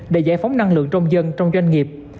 để giải phóng năng lượng trong dân trong doanh nghiệp